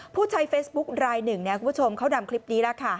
ผู้ใช้เฟสบุ๊คไลน์หนึ่งเนี่ยคุณผู้ชมเขาดำคลิปนี้ล่ะค่ะ